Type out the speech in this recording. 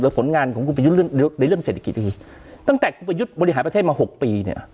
ผลงานของคุณประยุทธ์เรื่องในเรื่องเศรษฐกิจอีกทีตั้งแต่คุณประยุทธ์บริหารประเทศมาหกปีเนี่ย